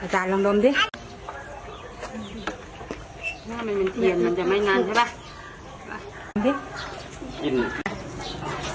อาจารย์ลองดมดิมันจะไม่นานใช่ปะ